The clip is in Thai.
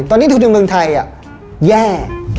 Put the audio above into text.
ตอนนี้ทุนในเมืองไทยแย่